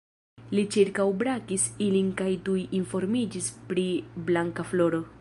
Li ĉirkaŭbrakis ilin kaj tuj informiĝis pri Blankafloro.